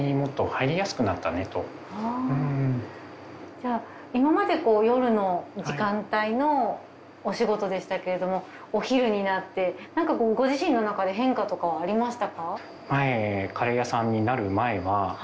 じゃあ今までこう夜の時間帯のお仕事でしたけれどもお昼になってなんかこうご自身の中で変化とかはありましたか？